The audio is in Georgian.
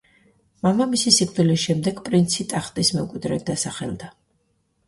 მამამისის სიკვდილის შემდეგ პრინცი ტახტის მემკვიდრედ დასახელდა.